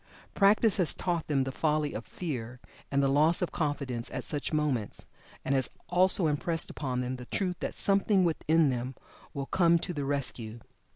Practice has taught them the folly of fear and loss of confidence at such moments, and has also impressed upon them the truth that something within them will come to the rescue.